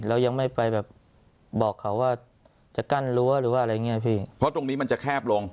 เรายังไม่ไปแบบบอกเขาว่าจะกั้นรั้วหรือว่าอะไรอย่างเงี้ยพี่เพราะตรงนี้มันจะแคบลง